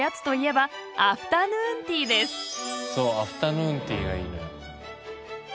そうアフタヌーンティーがいいのよ。